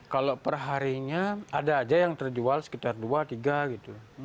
kalau perharinya ada aja yang terjual sekitar dua tiga gitu